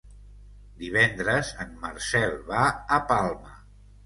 Divendres en Marcel va a Palma.